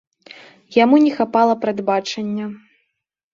Яму не хапала прадбачання.